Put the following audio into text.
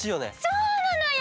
そうなのよ！